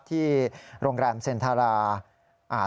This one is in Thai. ที่โรงแรมเซ็นทรา